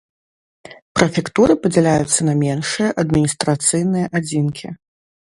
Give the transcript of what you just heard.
Прэфектуры падзяляюцца на меншыя адміністрацыйныя адзінкі.